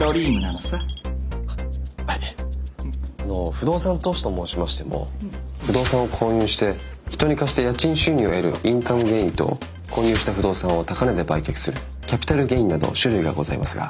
あの不動産投資と申しましても不動産を購入して人に貸して家賃収入を得るインカムゲインと購入した不動産を高値で売却するキャピタルゲインなど種類がございますが。